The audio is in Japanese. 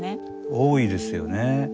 多いですよね。